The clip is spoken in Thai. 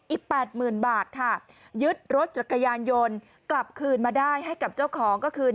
แปดหมื่นบาทค่ะยึดรถจักรยานยนต์กลับคืนมาได้ให้กับเจ้าของก็คือ